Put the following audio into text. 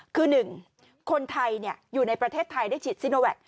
คือ๑คนไทยอยู่ในประเทศไทยได้ฉีดซิโนแวค